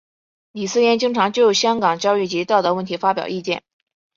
李偲嫣经常就香港教育及道德问题发表意见。